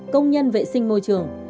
công nhân vệ sinh môi trường